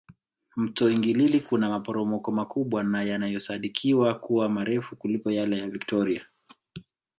Mto Hingilili kuna maporomoko makubwa na yanayosadikiwa kuwa marefu kuliko yale ya Victoria